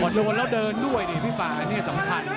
ก่อนโดนแล้วเดินด้วยนี่สำคัญ